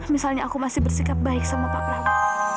misalnya aku masih bersikap baik sama pak prabowo